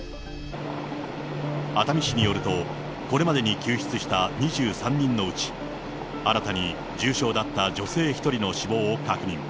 熱海市によると、これまでに救出した２３人のうち、新たに重傷だった女性１人の死亡を確認。